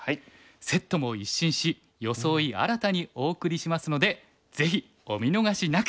セットも一新し装い新たにお送りしますのでぜひお見逃しなく！